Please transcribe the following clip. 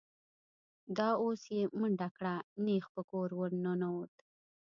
دا اوس یې منډه کړه، نېغ په کور ور ننوت.